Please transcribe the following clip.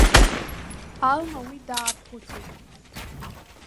Алма уи даархәыцит.